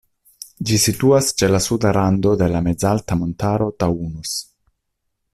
Ĝi situas ĉe la suda rando de la mezalta montaro Taunus.